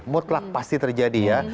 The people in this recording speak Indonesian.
mutlak pasti terjadi ya